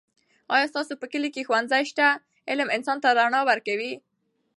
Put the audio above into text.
آیا ستاسو په کلي کې ښوونځی شته؟ علم انسان ته رڼا ورکوي.